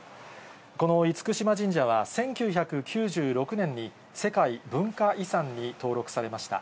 この厳島神社は１９９６年に、世界文化遺産に登録されました。